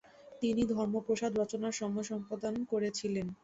তিনি ধর্মোপদেশ রচনার সময় সম্পাদনা করেছিলেন।